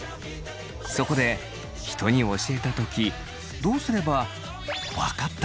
そこで人に教えた時どうすれば分かった！